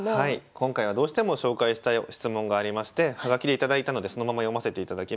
今回はどうしても紹介したい質問がありまして葉書で頂いたのでそのまま読ませていただきます。